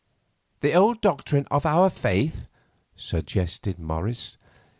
"The old doctrine of our Faith," suggested Morris.